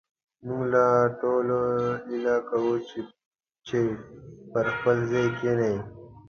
موږ له ټولو هيله کوو چې پر خپل ځاى کښېنئ